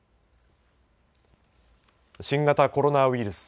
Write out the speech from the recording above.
新型コロナウイルス。